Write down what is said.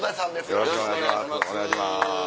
よろしくお願いします。